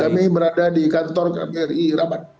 kami berada di kantor kri rabat